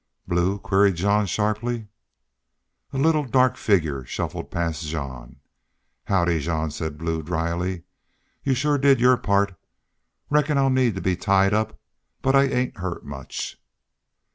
"Blue?" queried Jean, sharply. A little, dark figure shuffled past Jean. "Howdy, Jean!" said Blue, dryly. "Y'u shore did your part. Reckon I'll need to be tied up, but I ain't hurt much."